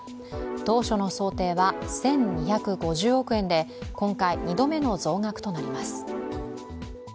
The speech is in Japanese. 当初の想定は１２５０億円で、今回２度目の増額となります。